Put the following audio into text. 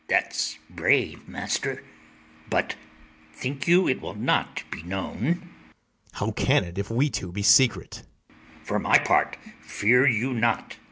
ITHAMORE. That's brave, master: but think you it will not be known? BARABAS. How can it, if we two be secret? ITHAMORE. For my part, fear you not.